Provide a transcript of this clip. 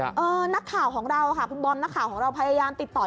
เออนักข่าวของเราค่ะคุณบอมนักข่าวของเราพยายามติดต่อ